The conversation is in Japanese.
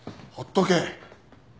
ほっとけ。